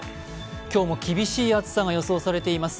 今日も厳しい暑さが予想されています。